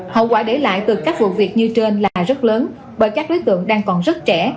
hậu quả để lại từ các vụ việc như trên là rất lớn bởi các đối tượng đang còn rất trẻ